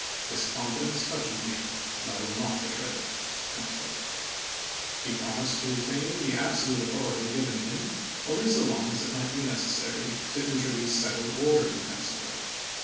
This confidence touches me, and I "c?c™ will not betray it." He promised to retain the ab im, p. sia solute authority given him only so long as it might be necessary to introduce settled order into Mexico.